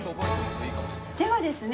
ではですね